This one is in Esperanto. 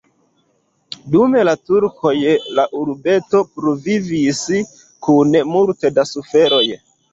Dum la turkoj la urbeto pluvivis kun multe da suferoj.